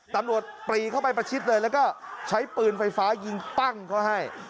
ปรีเข้าไปประชิดเลยแล้วก็ใช้ปืนไฟฟ้ายิงปั้งเขาให้